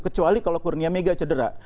kecuali kalau kurnia mega cedera